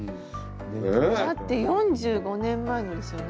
だって４５年前のですよね。